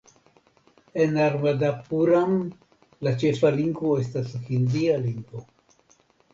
En Narmadapuram la ĉefa lingvo estas la hindia lingvo.